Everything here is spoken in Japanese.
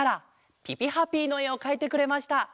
「ぴぴハピー」のえをかいてくれました。